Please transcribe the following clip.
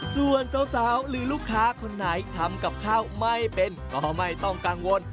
ส่วนสาวหรือลูกค้าคนไหนทำกับข้าวไม่เป็นก็ไม่ต้องกังวล